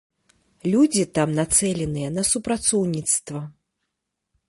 Людзі там нацэленыя на супрацоўніцтва.